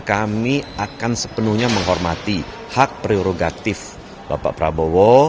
kami akan sepenuhnya menghormati hak prerogatif bapak prabowo